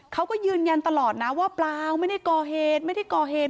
เขาก็ยืนยันตลอดนะว่าเปล่าไม่ได้ก่อเหตุไม่ได้ก่อเหตุ